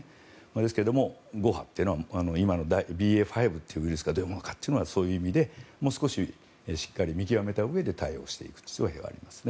ですが今のＢＡ．５というウイルスがどうかというのはそういう意味でもう少ししっかり見極めたうえで対応していく必要はあると思います。